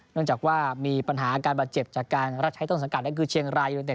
นั่นจากว่ามีปัญหาอาการบาดเจ็บจากการรัดใช้ต้นสังการแล้วก็คือเชียงรายุไม่เกิน๑๑